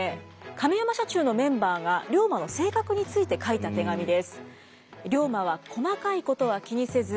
亀山社中のメンバーが龍馬の性格について書いた手紙です。